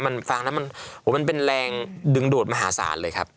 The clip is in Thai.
มันฟังแล้วมันเป็นแรงดึงดูดมหาศาลเลยครับ